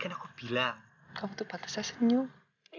ini juga udah senyum tapi